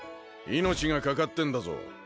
命がかかってんだぞ